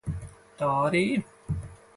Tā arī ir.